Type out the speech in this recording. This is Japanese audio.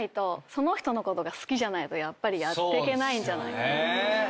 その人のことが好きじゃないとやってけないんじゃないかなと。